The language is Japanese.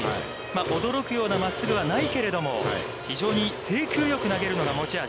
驚くような真っすぐはないけれども、非常に制球よく投げるのが持ち味。